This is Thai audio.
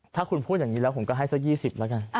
ถ้าคุณพูดอย่างนี้แล้วผมก็ให้สัก๒๐แล้วกัน